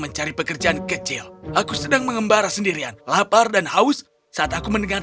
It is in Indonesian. mencari pekerjaan kecil aku sedang mengembara sendirian lapar dan haus saat aku mendengar